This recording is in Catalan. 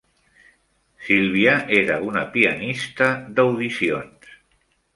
Sylvia era una pianista d'audicions.